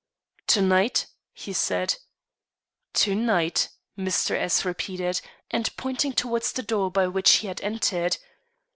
"To night?" he said. "To night," Mr. S repeated, and pointed towards the door by which he had entered.